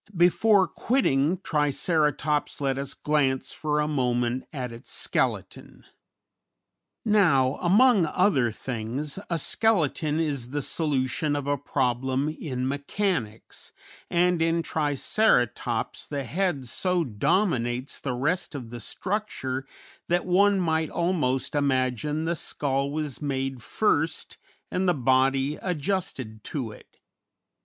Before quitting Triceratops let us glance for a moment at its skeleton. Now among other things a skeleton is the solution of a problem in mechanics, and in Triceratops the head so dominates the rest of the structure that one might almost imagine the skull was made first and the body adjusted to it.